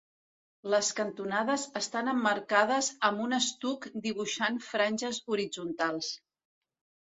Les cantonades estan emmarcades amb un estuc dibuixant franges horitzontals.